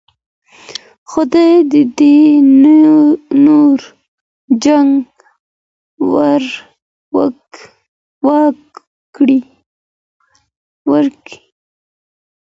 خداي دې نور جنګ ورک کړي.